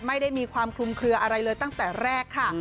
ไม่ได้มีความคลุมเคลืออะไรเลยตั้งแต่แรกค่ะ